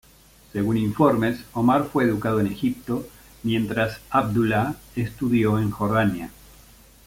Según informes, Omar fue educado en Egipto mientras Abdullah estudió en Jordania.